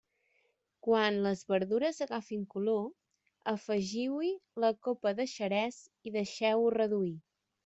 Quan les verdures agafin color, afegiu-hi la copa de xerès i deixeu-ho reduir.